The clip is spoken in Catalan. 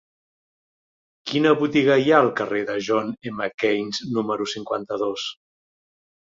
Quina botiga hi ha al carrer de John M. Keynes número cinquanta-dos?